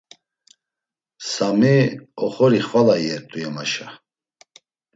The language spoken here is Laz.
Sami, oxori xvala iyert̆u yemaşa.